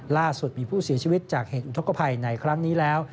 ล่าสุดมีผู้เสียชีวิตจากเหตุอุทธกภัยในครั้งนี้แล้ว